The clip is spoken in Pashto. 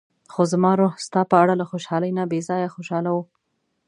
خو زما روح ستا په اړه له خوشحالۍ نه بې ځايه خوشاله و.